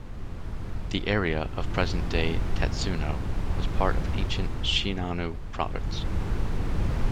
The area of present-day Tatsuno was part of ancient Shinano Province.